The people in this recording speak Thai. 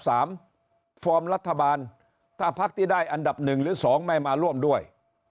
สอบรัฐบาลถ้าพักตี้ได้อันดับ๑หรือ๒ไม่มาร่วมด้วย